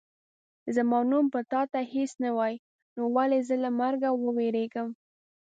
زما نوم به تا ته هېڅ نه وایي نو ولې زه له مرګه ووېرېږم.